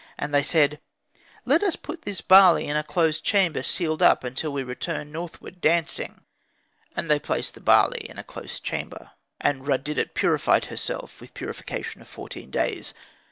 And they said, "Let us put this barley in a closed chamber, sealed up, until we return northward, dancing." And they placed the barley in a close chamber. And Rud didet purified herself, with a purification of fourteen days.